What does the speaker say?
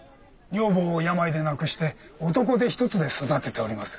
女房を病で亡くして男手一つで育てております。